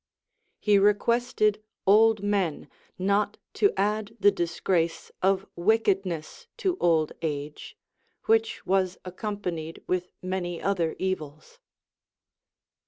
He requested old men not to add the disgrace of wickedness to old age, which was accompanied with many other evils.